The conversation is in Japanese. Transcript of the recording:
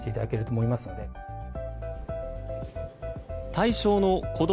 対象の子供